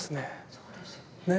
そうですよね。